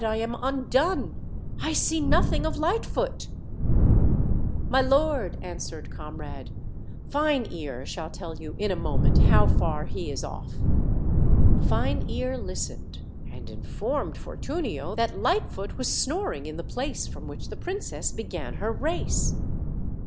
I am undone; I see nothing of Lightfoot." OLD, OLD FAIR7 TALES. 03 "My lord," answered Comrade, "Fine ear shaJI tell you in a moment how far he is oft'." Fine ear listened, and informed Fortunio that Lightfoot was snoring in the place from which the princess began her race.